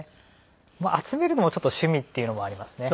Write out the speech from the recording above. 集めるのもちょっと趣味っていうのもありますね。